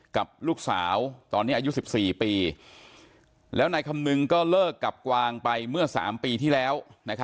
กับลูกสาวตอนนี้อายุ๑๔ปีแล้วนายคำนึงก็เลิกกับกวางไปเมื่อ๓ปีที่แล้ว